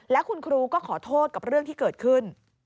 และคุณครูก็ขอโทษกับเรื่องที่เกิดขึ้น